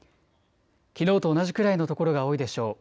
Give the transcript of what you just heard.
きのうと同じくらいの所が多いでしょう。